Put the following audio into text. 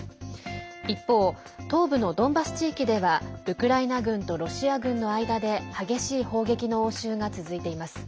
一方、東部のドンバス地域ではウクライナ軍とロシア軍の間で激しい砲撃の応酬が続いています。